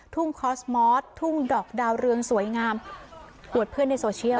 คอสมอสทุ่งดอกดาวเรืองสวยงามอวดเพื่อนในโซเชียล